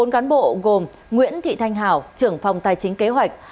bốn cán bộ gồm nguyễn thị thanh hảo trưởng phòng tài chính kế hoạch